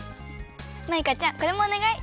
マイカちゃんこれもおねがい。